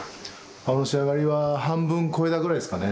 顔の仕上がりは半分こえたぐらいですかね。